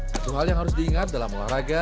satu hal yang harus diingat dalam olahraga